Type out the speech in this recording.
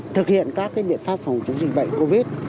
thực hiện các biện pháp phòng chống dịch bệnh covid